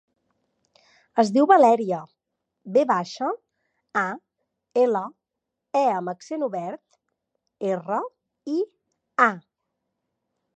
Es diu Valèria: ve baixa, a, ela, e amb accent obert, erra, i, a.